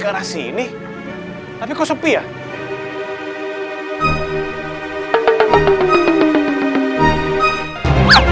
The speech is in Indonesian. kamu berdua sendiri aku berdua langsung masuk